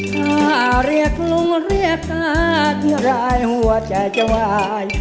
ถ้าเรียกลุงเรียกตาที่รายหัวใจจะวาย